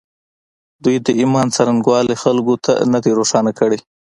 دوی د ایمان څرنګوالی خلکو ته نه دی روښانه کړی